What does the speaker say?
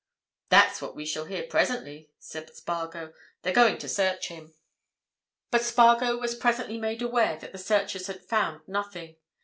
"That's what we shall hear presently," said Spargo. "They're going to search him." But Spargo was presently made aware that the searchers had found nothing.